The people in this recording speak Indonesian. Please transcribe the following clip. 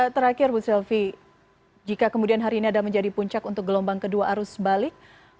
terakhir bu sylvi jika kemudian hari ini ada menjadi puncak untuk gelombang kedua arus balik